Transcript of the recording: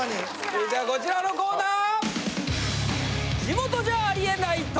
続いてはこちらのコーナー。